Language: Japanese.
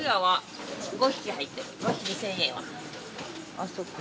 ああそっか。